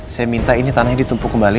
saya minta ini tanahnya ditumpuk kembali